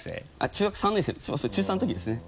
中学３年生中３のときですね。